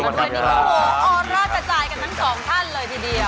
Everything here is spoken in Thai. โอ้โฮอร่าจะจ่ายกันทั้ง๒ท่านเลยทีเดียว